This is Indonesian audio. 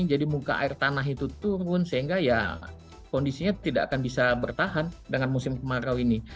jadi muka air tanah itu turun sehingga ya kondisinya tidak akan bisa bertahan dengan musim kemarau ini